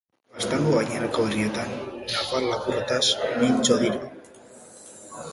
Baztango gainerako herrietan, nafar-lapurteraz mintzo dira.